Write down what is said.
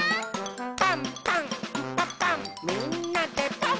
「パンパンんパパンみんなでパン！」